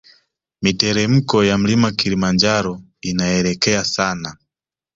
Miteremko ya mlima kilimanjaro inaelekea sana